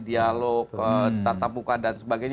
dialog tata buka dan sebagainya